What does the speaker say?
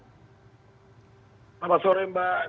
selamat sore mbak